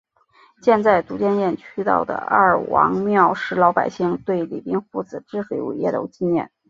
建在都江堰渠首的二王庙是老百姓对李冰父子治水伟业的纪念。